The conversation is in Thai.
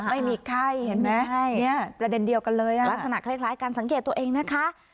ไม่มีไข้เห็นไหมเนี่ยประเด็นเดียวกันเลยลักษณะคล้ายการสังเกตตัวเองนะคะ